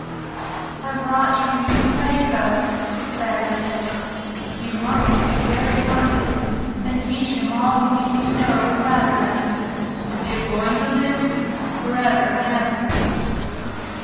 "I've brought you a new playfellow," the Fairy said. "You must be very kind to him and teach him all he needs to know in Rabbit land, for he is going to live with you for ever and ever!"